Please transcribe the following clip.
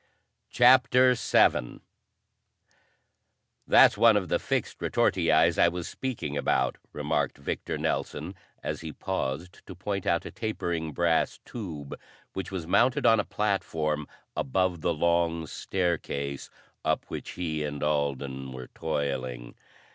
CHAPTER VII "That's one of the fixed retortiis I was speaking about," remarked Victor Nelson as he paused to point out a tapering brass tube which was mounted on a platform above the long staircase up which he and Alden were toiling.